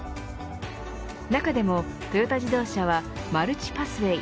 中でもトヨタ自動車はマルチパスウェイ